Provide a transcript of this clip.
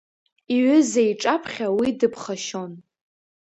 Иҩыза иҿаԥхьа уи дыԥхашьон.